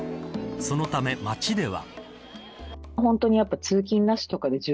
そのため街では。